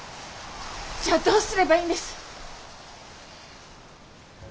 じゃどうすればいいんです？